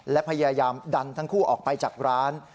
และพยายามดันทั้งคู่ออกไปจากร้าน